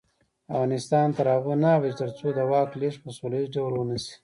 افغانستان تر هغو نه ابادیږي، ترڅو د واک لیږد په سوله ییز ډول ونشي.